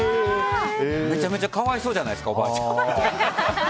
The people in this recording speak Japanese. めちゃめちゃ可哀想じゃないですかおばあちゃん。